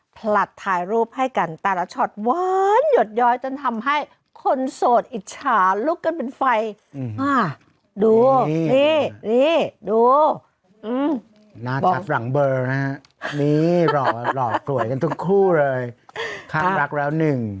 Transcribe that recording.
ผลัดถ่ายรูปให้กันแต่ละช็อตหวานหยดย้อยจนทำให้คนโสดอิจฉาลุกกันเป็นไฟดูนี่นี่ดูน่ารักหลังเบอร์นะฮะนี่หล่อหล่อสวยกันทุกคู่เลยข้างรักแล้วหนึ่ง